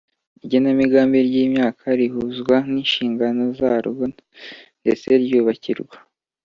Igenamigambi ry imyaka rihuzwa n inshingano zarwo ndetse ryubakirwa